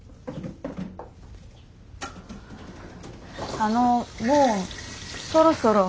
あのもうそろそろ。